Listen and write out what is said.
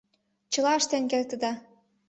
Чыла ыштен кертыда.